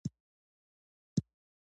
د سید آباد ولسوالۍ